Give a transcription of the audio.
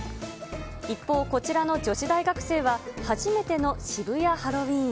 一方、こちらの女子大学生は、初めての渋谷ハロウィーン。